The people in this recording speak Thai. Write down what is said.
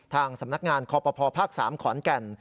ทางสำนักงานคพภ๓ขอนแก่น